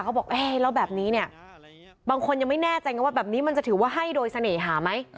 บอกเอ๊ะแล้วแบบนี้เนี่ยบางคนยังไม่แน่ใจไงว่าแบบนี้มันจะถือว่าให้โดยเสน่หาไหม